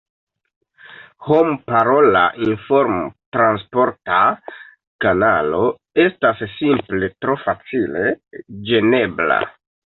Homparola informtransporta kanalo estas simple tro facile ĝenebla.